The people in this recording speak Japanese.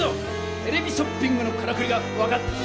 テレビショッピングのからくりが分かったぞ！